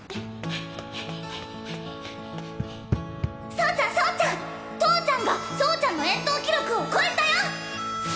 走ちゃん走ちゃん投ちゃんが走ちゃんの遠投記録を超えたよ！